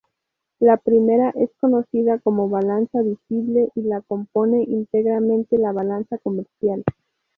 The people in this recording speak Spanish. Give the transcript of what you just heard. La primera es conocida como balanza visible y la compone íntegramente la "balanza comercial".